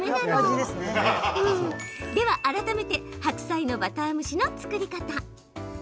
では、改めて白菜のバター蒸しの作り方。